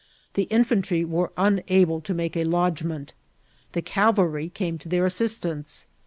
Hie infiuitry wet e unable to make a lodgment. The caTalrj came to their aesistanoe.